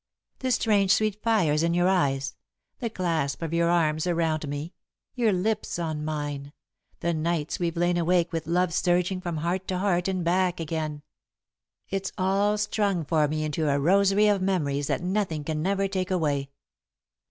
The strange sweet fires in your eyes, the clasp of your arms around me, your lips on mine, the nights we've lain awake with love surging from heart to heart and back again it's all strung for me into a rosary of memories that nothing can ever take away."